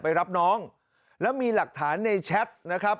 ไปรับน้องแล้วมีหลักฐานในแชทนะครับ